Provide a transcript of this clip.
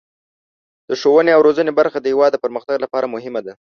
د ښوونې او روزنې برخه د هیواد د پرمختګ لپاره مهمه ده.